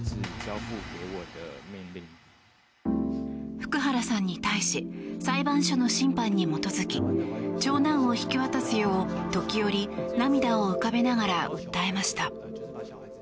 福原さんに対し裁判所の審判に基づき長男を引き渡すよう時折、涙を浮かべながら訴えました。